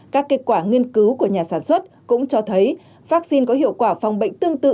các kết quả nghiên cứu của nhà sản xuất cũng cho thấy vaccine có hiệu quả phòng bệnh tương tự